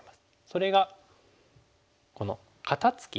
それがこの肩ツキという。